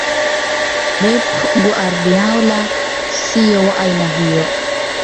Pep Guardiola sio wa aina hiyo